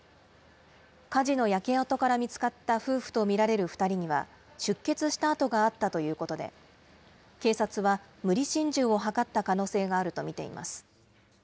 火事の焼け跡から見つかった夫婦と見られる２人には、出血した痕があったということで、警察は無理心中を図った可能性があると見ています。